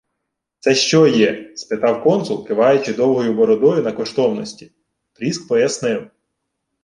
— Се що є? — спитав консул, киваючи довгою бородою на коштовності. Пріск пояснив.